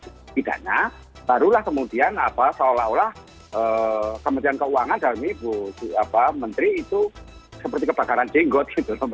setidaknya barulah kemudian seolah olah kementerian keuangan dalam ibu menteri itu seperti kebakaran jenggot gitu